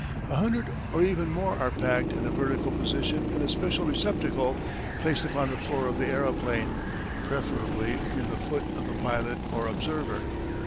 A hundred or even more are packed in a vertical position in a special receptacle, placed upon the floor of the aeroplane, preferably near the foot of the pilot or observer.